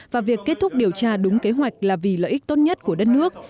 và việc kết thúc điều tra đúng kế hoạch là vì lợi ích tốt nhất của đất nước